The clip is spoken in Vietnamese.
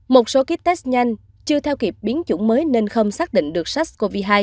một số kit test nhanh chưa theo kịp biến chủng mới nên không xác định được sars cov hai